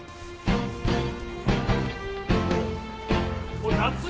おい夏海！